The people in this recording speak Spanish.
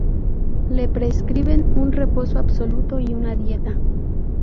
Le prescriben un reposo absoluto y una dieta.